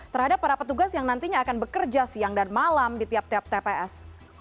terhadap para petugas yang nantinya akan bekerja siang dan malam di tiap tiap tps